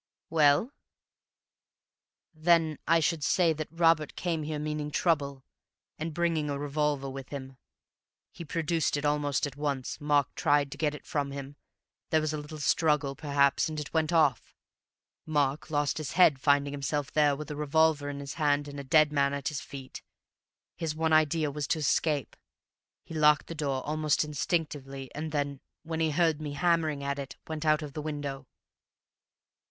"Well?" "Then I should say that Robert came here meaning trouble, and bringing a revolver with him. He produced it almost at once, Mark tried to get it from him, there was a little struggle perhaps, and it went off. Mark lost his head, finding himself there with a revolver in his hand and a dead man at his feet. His one idea was to escape. He locked the door almost instinctively, and then, when he heard me hammering at it, went out of the window."